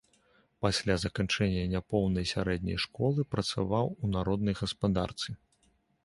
Пасля заканчэння няпоўнай сярэдняй школы працаваў у народнай гаспадарцы.